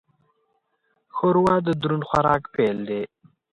ښوروا د دروند خوراک پیل دی.